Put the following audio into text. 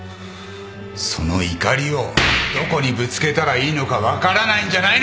その怒りをどこにぶつけたらいいのか分からないんじゃないのか！